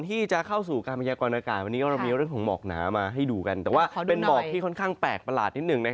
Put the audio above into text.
ที่ค่อนข้างแปลกประหลาดนิดนึง